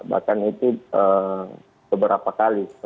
bahkan itu beberapa kali